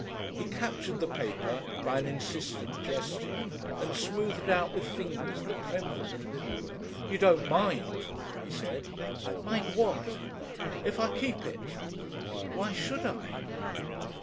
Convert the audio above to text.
He captured the paper by an insistent gesture and smoothed it out with fingers that trembled. "You don't mind?" he said. "Mind what?" "If I keep it?" "Why should I?"